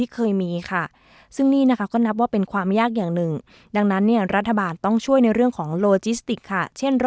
ก็ยำให้รัฐบาลคิดว่าทำอย่างไรให้คนที่อยากจะไปที่ไกล